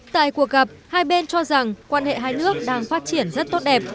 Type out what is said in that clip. tại cuộc gặp hai bên cho rằng quan hệ hai nước đang phát triển rất tốt đẹp